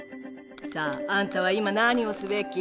さああんたは今何をすべき？